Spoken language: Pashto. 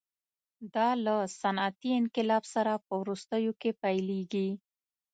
دا له صنعتي انقلاب سره په وروستیو کې پیلېږي.